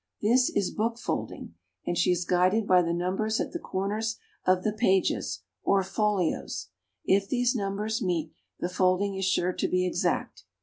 This is book folding, and she is guided by the numbers at the corners of the pages, or folios if these numbers meet, the folding is sure to be exact.